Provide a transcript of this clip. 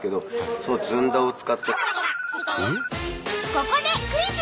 ここでクイズ！